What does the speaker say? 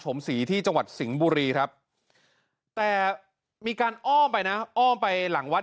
สมศรีที่จังหวัดสิงห์บุรีครับแต่มีการอ้อมไปนะอ้อมไปหลังวัด